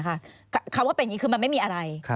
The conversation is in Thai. คำว่าเป็นอย่างนี้คือมันไม่มีอะไร